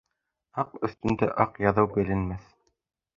Аҡ өҫтөндә аҡ яҙыу беленмәҫ.